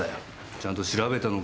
ちゃんと調べたのか？